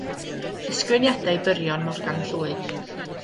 Ysgrifeniadau byrion Morgan Llwyd.